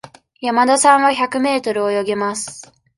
山田さんは百メートル泳げます。